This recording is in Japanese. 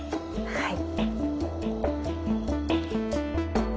はい？